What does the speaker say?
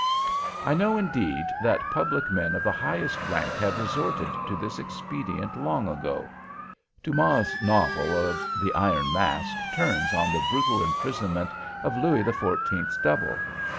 I know, indeed, that public men of the highest rank have resorted to this expedient long ago. Dumas's novel of The Iron Mask turns on the brutal imprisonment of Louis the Fourteenth's double.